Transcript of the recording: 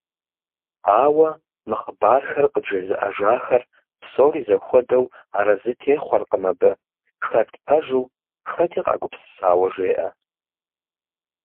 Ауэ мы хъыбархэр къыджезыӏэжахэр псори зэхуэдэу арэзы техъуэркъым абы, хэт пэжу, хэти къагупсысауэ жеӏэ.